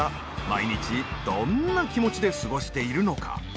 毎日どんな気持ちで過ごしているのか？